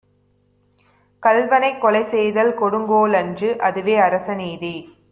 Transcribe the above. கள்வனைக் கொலை செய்தல் கொடுங்கோலன்று, அதுவே அரச நீதி